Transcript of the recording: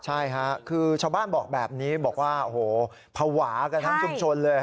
ใช่ค่ะคือชาวบ้านบอกแบบนี้บอกว่าโอ้โหภาวะกันทั้งชุมชนเลย